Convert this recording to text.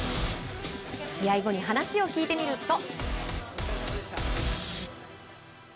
試合後に、話を聞いてみると。